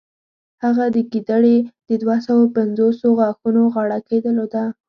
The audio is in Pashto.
هغه د ګیدړې د دوهسوو پنځوسو غاښونو غاړکۍ درلوده.